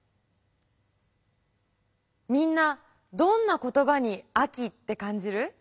みんなどんな言葉に秋ってかんじる？